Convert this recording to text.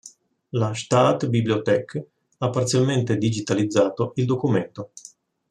La Staatsbibliothek ha parzialmente digitalizzato il documento.